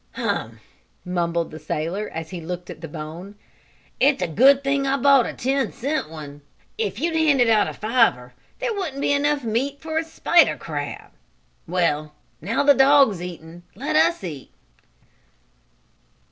"Hum!" mumbled the sailor, as he looked at the bone. "It's a good thing I bought a ten cent one. If you'd handed out a fiver there wouldn't have been enough meat on for a spider crab. Well, now the dog's eatin' let's us eat!"